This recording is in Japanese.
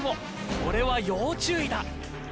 これは要注意だ。